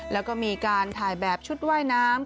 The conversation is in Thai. แล้วก็มีการถ่ายแบบชุดว่ายน้ำ